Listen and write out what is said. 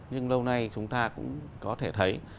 nhưng lâu nay chúng ta cũng có thể thấy